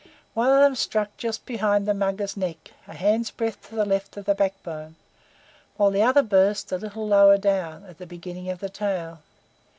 One of them struck just behind the Mugger's neck, a hand's breadth to the left of the backbone, while the other burst a little lower down, at the beginning of the tail.